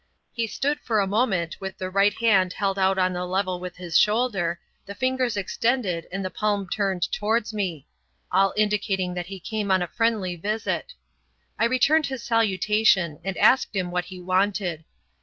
He stood for a moment with the right hand held out on a level with his shoulder, the fingers extended and the palm turned towards me all indicating that he came on a friendly visit. I returned his salutation, and asked him what he wanted.